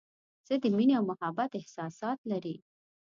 زه د مینې او محبت احساسات لري.